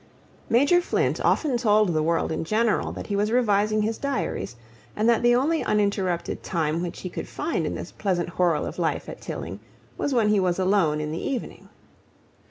Major Flint often told the world in general that he was revising his diaries, and that the only uninterrupted time which he could find in this pleasant whirl of life at Tilling was when he was alone in the evening.